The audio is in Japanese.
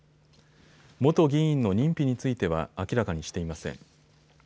元議員の認否については明らかにしていません。